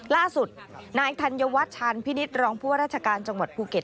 ล่าสุดนายธัญวัชชาญพินิษฐ์รองผู้ว่าราชการจังหวัดภูเก็ต